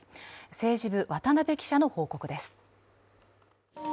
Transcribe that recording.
政治部・渡部記者の報告です。